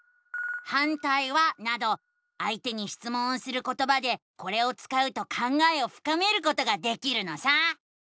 「反対は？」などあいてにしつもんをすることばでこれを使うと考えをふかめることができるのさ！